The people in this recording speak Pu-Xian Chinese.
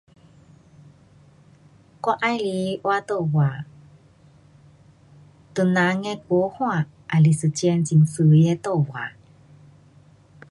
我喜欢画图画，唐人的国画也是一种很美的图画。